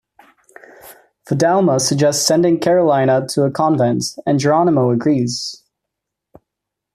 Fidalma suggests sending Carolina to a convent, and Geronimo agrees.